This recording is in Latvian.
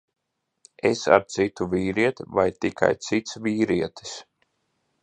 Es ar citu vīrieti, vai tikai cits vīrietis?